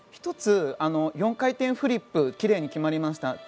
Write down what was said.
１つ、４回転フリップ奇麗に決まりました。